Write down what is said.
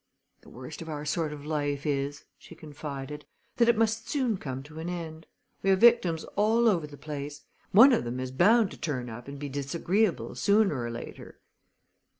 "The worst of our sort of life is," she confided, "that it must soon come to an end. We have victims all over the place! One of them is bound to turn up and be disagreeable sooner or later."